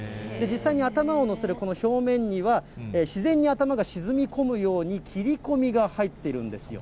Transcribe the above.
実際に頭を乗せるこの表面には自然に頭が沈み込むように、切り込みが入っているんですよ。